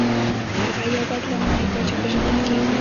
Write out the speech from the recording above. هغه یو بد لمنی پاچا پیژندل کیږي.